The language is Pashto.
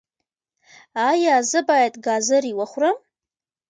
ایا زه باید ګازرې وخورم؟